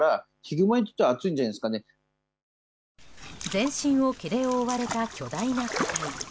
全身を毛で覆われた巨大な個体。